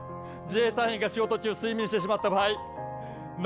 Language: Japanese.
自衛隊員が仕事中睡眠してしまった場合。